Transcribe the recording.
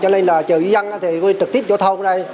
cho nên là chợ dân thì trực tiếp giao thông ra đây